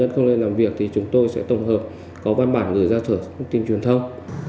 các tổ chức cá nhân không lên làm việc thì chúng tôi sẽ tổng hợp có văn bản gửi ra thở thông tin truyền thông